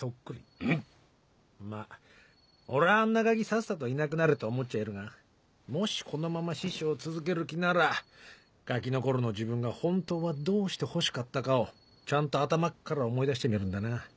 うっ⁉まっ俺はあんなガキさっさといなくなれと思っちゃいるがもしこのまま師匠を続ける気ならガキの頃の自分が本当はどうしてほしかったかをちゃんと頭っから思い出してみるんだな。